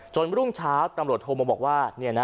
รุ่งเช้าตำรวจโทรมาบอกว่า